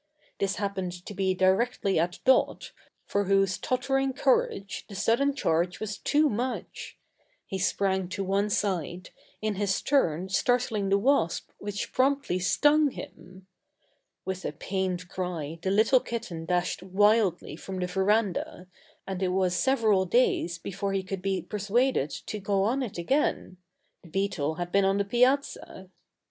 This happened to be directly at Dot, for whose tottering courage the sudden charge was too much! He sprang to one side, in his turn startling the wasp which promptly stung him. With a pained cry the little kitten dashed wildly from the verandah, and it was several days before he could be persuaded to go on it again the beetle had been on the piazza!